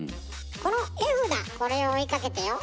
この絵札これを追いかけてよ。